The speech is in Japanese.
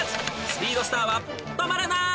［スピードスターは止まらない！］